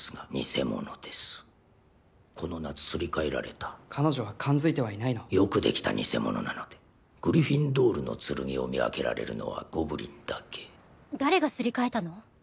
この夏すり替えられた彼女は感づいてはいないの？∈よくできた偽物なのでグリフィンドールの剣を見分けられるのはゴブリンだけ誰がすり替えたの？